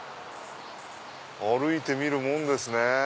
歩いてみるもんですね。